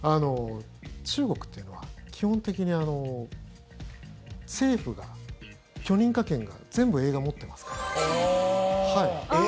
中国っていうのは基本的に政府が許認可権が全部、映画は持ってますから。